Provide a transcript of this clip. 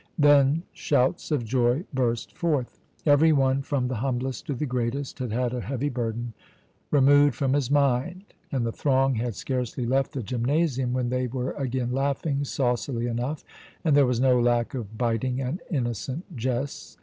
"Then shouts of joy burst forth. "Every one, from the humblest to the greatest, had had a heavy burden removed from his mind, and the throng had scarcely left the gymnasium when they were again laughing saucily enough, and there was no lack of biting and innocent jests.